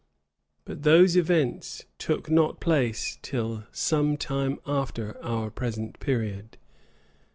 But those events took not place till some time after our present period.